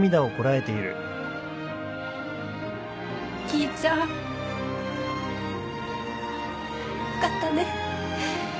きいちゃんよかったね。